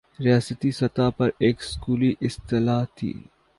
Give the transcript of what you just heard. ریاستی سطح پر ایک سکولی اصطلاح تھِی